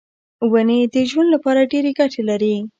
ونې د ژوند لپاره ډېرې ګټې لري.